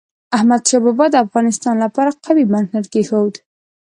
احمد شاه بابا د افغانستان لپاره قوي بنسټ کېښود.